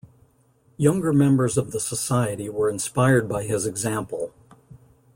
Younger members of the Society were inspired by his example.